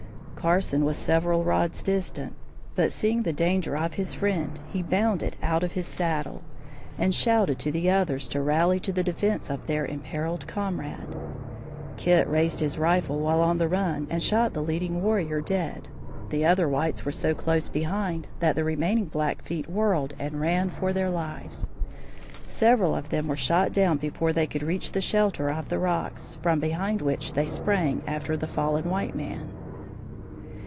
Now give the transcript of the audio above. Carson was several rods distant, but seeing the danger of his friend, he bounded out of his saddle, and shouted to the others to rally to the defence of their imperilled comrade. Kit raised his rifle while on the run and shot the leading warrior dead. The other whites were so close behind that the remaining Blackfeet whirled and ran for their lives. Several of them were shot down before they could reach the shelter of the rocks from behind which they sprang after the fallen white man.